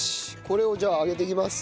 これを揚げていきます。